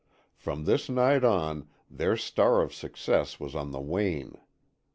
From this night on their star of success was on the wane.